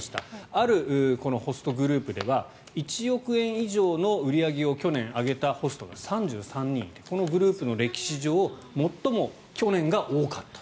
あるホストグループでは１億円以上の売り上げを去年上げたホストが３３人いてこのグループの歴史上最も去年が多かった。